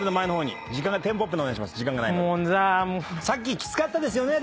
さっききつかったですよね。